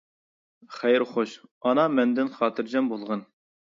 خەير خوش ئانا مەندىن خاتىرجەم بولغىن.